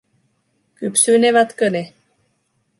Kypsynevätkö ne?